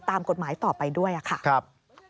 ตามกฎหมายต่อไปด้วยค่ะ